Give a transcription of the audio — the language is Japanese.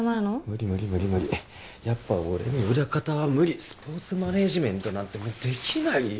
無理無理無理無理やっぱ俺に裏方は無理スポーツマネジメントなんてできないよ